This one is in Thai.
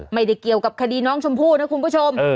ไม่ได้เกี่ยวกับคดีน้องชมพู่นะคุณผู้ชม